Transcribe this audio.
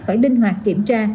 phải linh hoạt kiểm tra